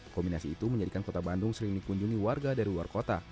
kombinasi itu menjadikan kota bandung sering dikunjungi warga dari luar kota